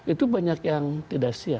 itu banyak yang tidak siap